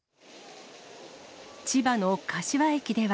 千葉の柏駅では。